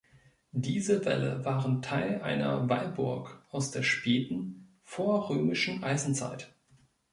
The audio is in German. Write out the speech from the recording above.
Diese Wälle waren Teil einer Wallburg aus der späten vorrömischen Eisenzeit.